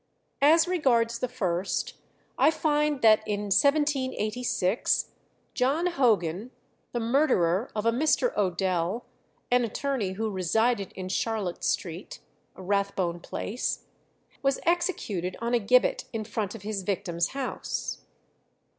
As regards the first, I find that in 1786 John Hogan, the murderer of a Mr. Odell, an attorney who resided in Charlotte Street, Rathbone Place, was executed on a gibbet in front of his victim's house.